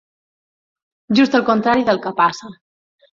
Just al contrari del que passa.